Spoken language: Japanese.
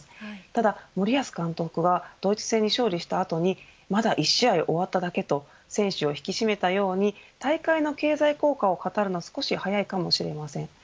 ただ、森保監督はドイツ戦に勝利した後にまだ１試合終わっただけと選手を引き締めたように大会の経済効果を語るのは少し早いかもしれません。